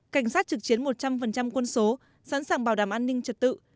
cảnh sát trực chiến một trăm linh quân số sẵn sàng bảo đảm an ninh trật tự